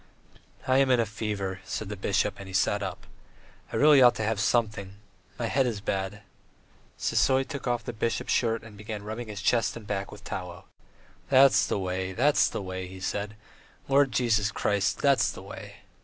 "I am in a fever ..." said the bishop, and he sat up. "I really ought to have something. My head is bad. ..." Sisoy took off the bishop's shirt and began rubbing his chest and back with tallow. "That's the way ... that's the way ..." he said. "Lord Jesus Christ ... that's the way.